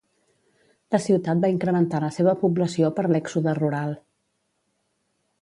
La ciutat va incrementar la seva població per l'èxode rural.